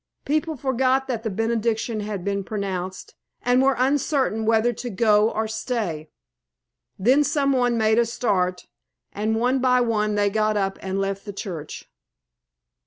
People forgot that the Benediction had been pronounced, and were uncertain whether to go or stay. Then some one made a start, and one by one they got up and left the church.